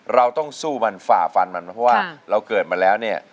เราต้องสู้มันฝ่าฟันมันเพราะว่าเราเกิดมาแล้วเนี่ย